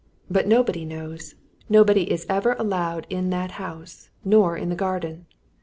But nobody knows! Nobody is ever allowed in that house, nor in the garden.